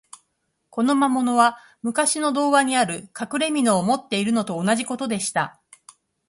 この魔物は、むかしの童話にある、かくれみのを持っているのと同じことでした。